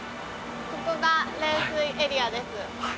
ここが冷水エリアです。